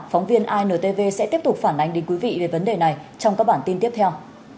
phóng viên intv sẽ tiếp tục phản ánh đến quý vị về vấn đề này trong các bản tin tiếp theo